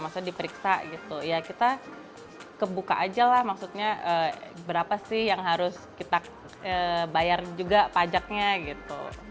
maksudnya diperiksa gitu ya kita kebuka aja lah maksudnya berapa sih yang harus kita bayar juga pajaknya gitu